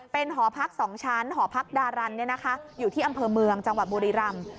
เป็นหอพัก๒ชั้นหอพักดารันอยู่ที่อำเภอเมืองจังหวัดบุรีรำ